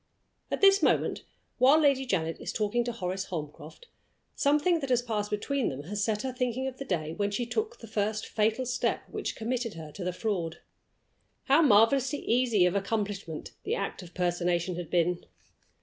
At this moment, while Lady Janet is talking to Horace Holmcroft, something that has passed between them has set her thinking of the day when she took the first fatal step which committed her to the fraud. How marvelously easy of accomplishment the act of personation had been!